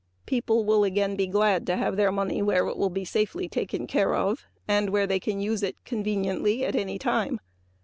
People will again be glad to have their money where it will be safely taken care of and where they can use it conveniently at any time.